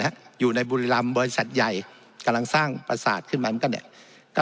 อยู่ในบุรีรำบริษัทใหญ่กำลังสร้างประสาทขึ้นมามันก็เนี่ยก็